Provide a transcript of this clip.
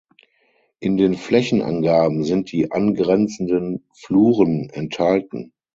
In den Flächenangaben sind die angrenzenden Fluren enthalten.